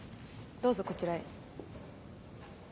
どうぞこちらへ。